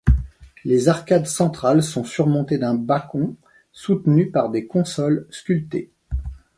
Les arcades centrales sont surmontées d’un bacon soutenu par des consoles sculptées.